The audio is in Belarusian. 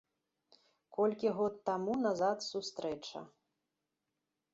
Колькі год таму назад сустрэча.